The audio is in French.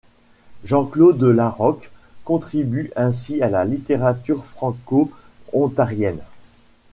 Jean-Claude Larocque contribue ainsi à la littérature franco-ontarienne.